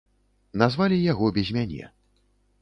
Назвалі яго без мяне.